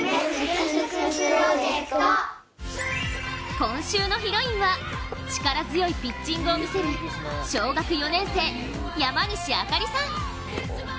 今週のヒロインは、力強いピッチングを見せる小学４年生、山西紅莉さん。